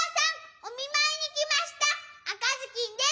おみまいにきました赤ずきんです。